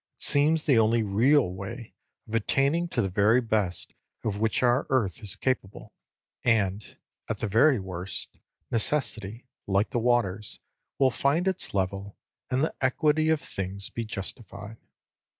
It seems the only real way of attaining to the very best of which our earth is capable; and at the very worst, necessity, like the waters, will find its level, and the equity of things be justified.